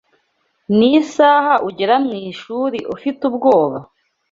Nisaha ugera mwishuri ufite ubwoba?